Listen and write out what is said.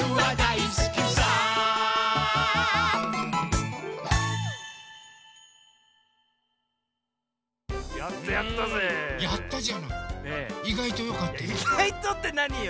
「いがいと」ってなによ？